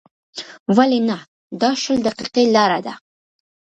ولې نه، دا شل دقیقې لاره ده.